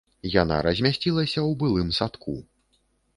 Яна размясцілася ў былым садку.